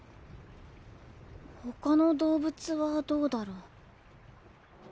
ほかの動物はどうだろう？